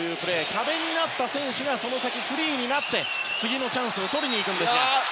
壁になった選手がその先、フリーになって次のチャンスをとりにいくんですが。